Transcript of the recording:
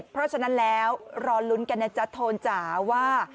เพราะฉะนั้นแล้วรอลุ้นกันนะจ๊ะโทนจ๋าว่า